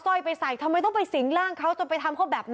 ้อยไปใส่ทำไมต้องไปสิงร่างเขาจะไปทำเขาแบบนั้น